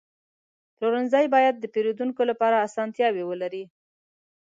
پلورنځی باید د پیرودونکو لپاره اسانتیاوې ولري.